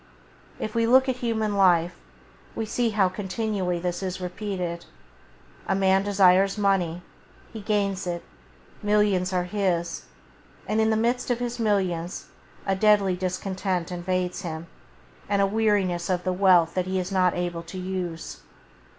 If we look at human life, we see how continually this is repeated. A man desires money; he gains it, millions are his; and in the midst of his millions a deadly discontent invades him, and a weariness of the wealth that he is not able to use.